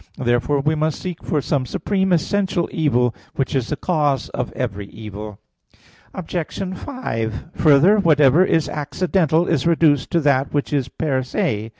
Therefore we must seek for some supreme essential evil, which is the cause of every evil. Obj. 5: Further, whatever is accidental is reduced to that which is _per se.